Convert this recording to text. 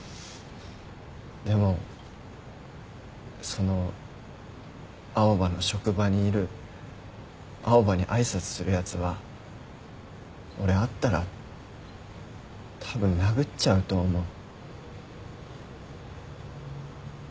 でもその青羽の職場にいる青羽に挨拶するやつは俺会ったらたぶん殴っちゃうと思う。